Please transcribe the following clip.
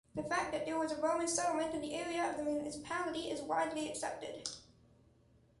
The fact that there was a Roman settlement in the area of the municipality is widely accepted.